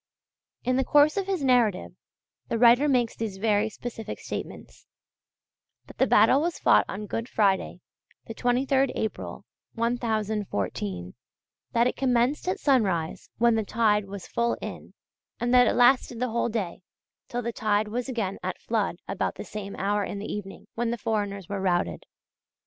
In the course of his narrative the writer makes these very specific statements: that the battle was fought on Good Friday, the 23rd April, 1014; that it commenced at sunrise when the tide was full in, and that it lasted the whole day till the tide was again at flood about the same hour in the evening, when the foreigners were routed.